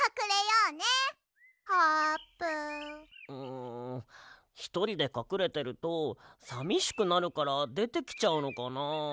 んひとりでかくれてるとさみしくなるからでてきちゃうのかな。